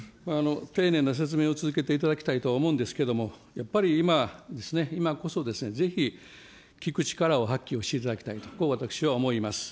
丁寧な説明を続けていただきたいとは思うんですけれども、やっぱり今、今こそ、ぜひ聞く力を発揮をしていただきたいと、こう私は思います。